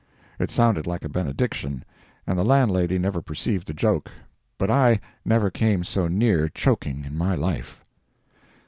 It sounded like a benediction, and the landlady never perceived the joke, but I never came so near choking in my life.